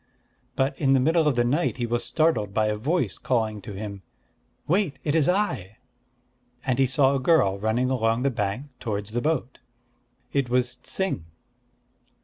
But in the middle of the night he was startled by a voice calling to him, "Wait! it is I!" and he saw a girl running along the bank towards the boat. It was Ts'ing.